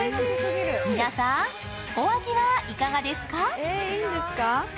皆さん、お味はいかがですか？